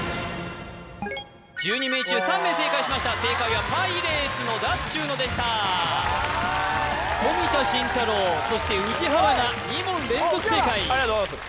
１２名中３名正解しました正解はパイレーツの「だっちゅーの」でした冨田信太郎そして宇治原が２問連続正解ありがとうございます